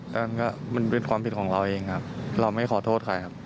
ก็มันเป็นความผิดของเราเองครับเราไม่ขอโทษใครครับ